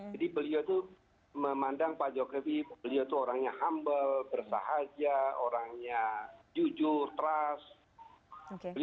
jadi beliau itu memandang pak jokowi beliau itu orangnya humble bersahaja orangnya jujur trust